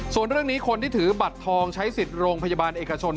ส่วนเรื่องนี้คนที่ถือบัตรทองใช้สิทธิ์โรงพยาบาลเอกชน